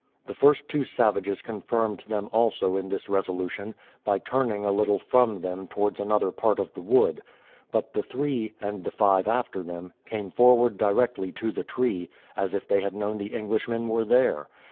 The first two savages confirmed them also in this resolution, by turning a little from them towards another part of the wood; but the three, and the five after them, came forward directly to the tree, as if they had known the Englishmen were there.